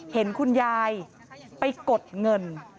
เห็นคุณยายไปกดเงิน